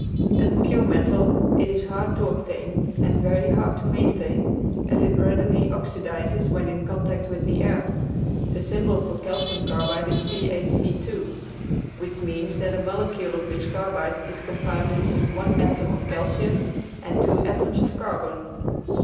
As a pure metal it is hard to obtain and very hard to maintain, as it readily oxidizes when in contact with the air. The symbol for calcium carbide is CaC_, which means that a molecule of this carbide is compounded of one atom of calcium and two atoms of carbon.